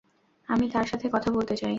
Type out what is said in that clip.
আমি তার সাথে কথা বলতে চাই!